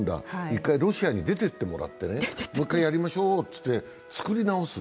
一回ロシアに出てってもらってね、もう一回やりましょうって作り直す。